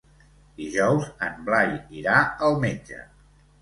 Dijous en Blai irà al metge.